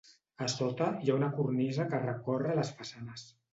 A sota hi ha una cornisa que recorre les façanes.